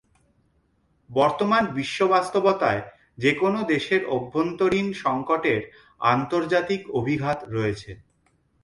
বর্তমান বিশ্ববাস্তবতায় যেকোনো দেশের অভ্যন্তরীণ সংকটের আন্তর্জাতিক অভিঘাত রয়েছে।